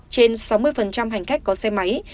trên sáu mươi hành khách có xe máy